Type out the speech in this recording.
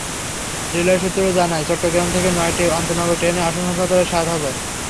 Railway সূত্র জানায়, চট্টগ্রাম থেকে নয়টি আন্তনগর ট্রেনের আসনসংখ্যা প্রায় সাত হাজার।